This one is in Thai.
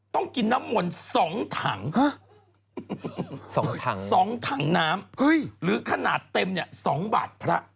ต้องกินน้ำมนต์๒ถัง๒ถัง๒ถังน้ำหรือขนาดเต็มเนี่ย๒บาทพระ